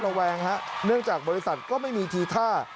แวงฮะเนื่องจากบริษัทก็ไม่มีทีท่า